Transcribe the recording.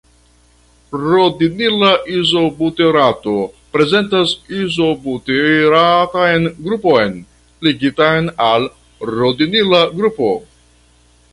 Rodinila izobuterato prezentas izobuteratan grupon ligitan al rodinila grupo.